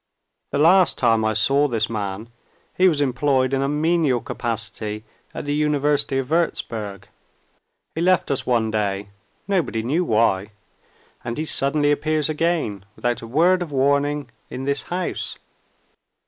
"The last time I saw this man, he was employed in a menial capacity at the University of Wurzburg. He left us one day, nobody knew why. And he suddenly appears again, without a word of warning, in this house."